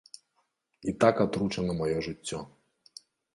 І так атручана маё жыццё.